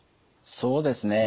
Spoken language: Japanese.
そうですね。